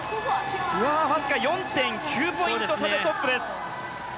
わずか４．９ポイント差でトップです。